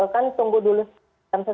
kan tunggu dulu sesudahnya